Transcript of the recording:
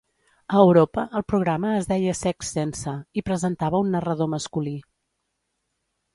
A Europa el programa es deia Sex Sense i presentava un narrador masculí.